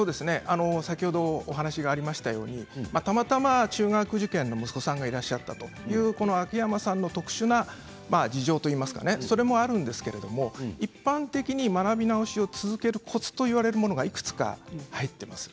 先ほどお話がありましたとおりたまたま中学受験の息子さんがいらっしゃったという秋山さんの特殊な事情といいますかそれもあるんですけれど一般的に学び直しを続けるコツといわれるものがいくつか入っています。